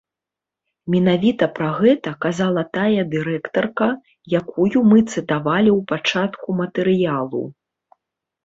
Менавіта пра гэта казала тая дырэктарка, якую мы цытавалі ў пачатку матэрыялу.